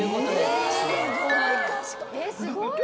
すごい。